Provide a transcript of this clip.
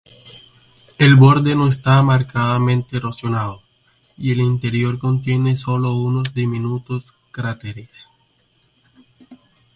El borde no está marcadamente erosionado, y el interior contiene solo unos diminutos cráteres.